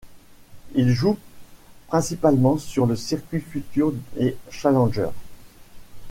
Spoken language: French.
Il joue principalement sur le circuit Future et Challenger.